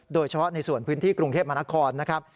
โดยเฉพาะในส่วนพื้นที่กรุงเทพมนาคอนนะครับ